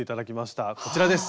こちらです。